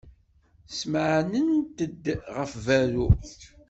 Smeɛnent-d ɣef berru.